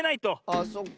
あっそっか。